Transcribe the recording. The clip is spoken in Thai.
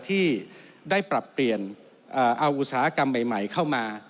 ที่ได้ปรับเปลี่ยนเอาอุตสาหกรรมใหม่เข้ามา